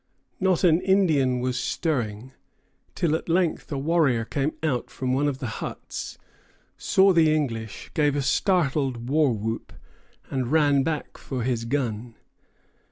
Not an Indian was stirring, till at length a warrior came out from one of the huts, saw the English, gave a startled war whoop, and ran back for his gun.